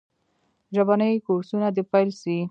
ژبني کورسونه دي پیل سي.